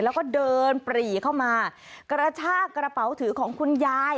แล้วก็เดินปรีเข้ามากระชากกระเป๋าถือของคุณยาย